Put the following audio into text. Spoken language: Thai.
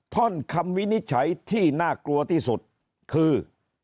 ท่อนคำวินิจฉัยที่น่ากลัวที่สุดคือ